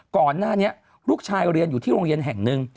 ก่อนหน้านี้ลูกชายเรียนอยู่ที่โรงเรียนแห่งหนึ่ง